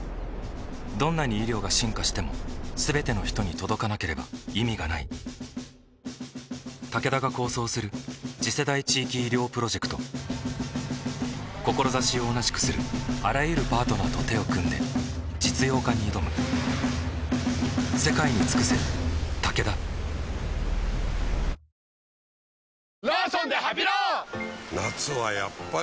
どんなに医療が進化しても全ての人に届かなければ意味がないタケダが構想する次世代地域医療プロジェクト志を同じくするあらゆるパートナーと手を組んで実用化に挑む先生。